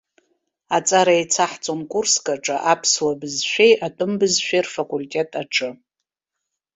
Аҵара еицаҳҵон курск аҿы, аԥсуа бызшәеи атәым бызшәеи рфакультет аҿы.